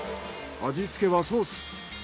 味付けはソース。